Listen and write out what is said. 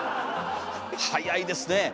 早いですねえ。